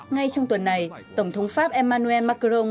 ngay trong tuần này tổng thống pháp emmanuel macron